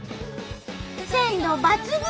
鮮度抜群！